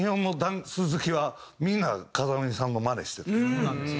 そうなんですよ。